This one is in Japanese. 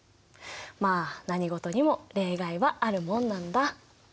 まあ何事にも例外はあるもんなんだ。